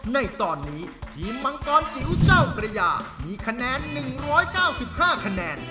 ในตอนนี้ทีมมังกรจิ๋วเจ้าพระยามีคะแนน๑๙๕คะแนน